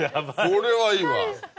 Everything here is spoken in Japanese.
これはいいわ。